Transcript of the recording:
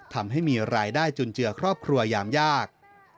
ทำให้มีรายได้จุนเจือครอบครัวยามยาก